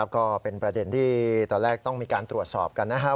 ก็เป็นประเด็นที่ตอนแรกต้องมีการตรวจสอบกันนะครับ